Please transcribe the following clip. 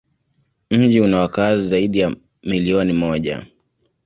Mji una wakazi zaidi ya milioni moja.